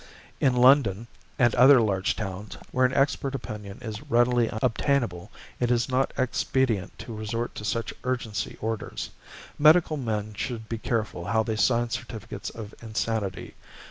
In London and other large towns, where an expert opinion is readily obtainable, it is not expedient to resort to such urgency orders. Medical men should be careful how they sign certificates of insanity.